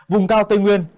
vùng cao tây nguyên